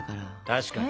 確かに。